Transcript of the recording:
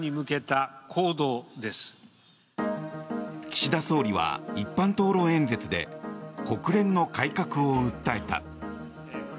岸田総理は一般討論演説で国連の改革を訴えた。